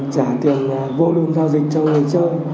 trả tiền volume giao dịch cho người chơi